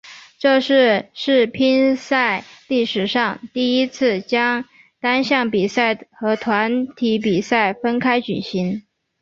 这是世乒赛历史上第一次将单项比赛和团体比赛分开举行。